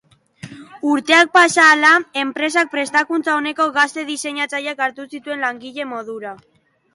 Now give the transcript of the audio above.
Urteak pasa ahala, enpresak prestakuntza oneko gazte diseinatzaileak hartu zituen langile modura.